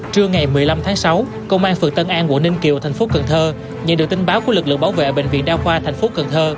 trưa ngày một mươi năm tháng sáu công an phường tân an của ninh kiều tp cn nhận được tin báo của lực lượng bảo vệ bệnh viện đa khoa tp cn